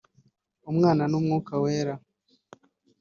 umwana n’Umwuka Wera